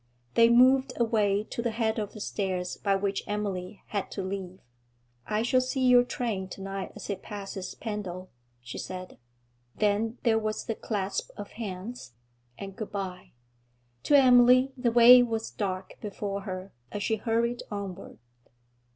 They moved away to the head of the stairs by which Emily had to leave. 'I shall see your train to night as it passes Pendal,' she said. Then there was the clasp of hands, and good bye. To Emily the way was dark before her as she hurried onward....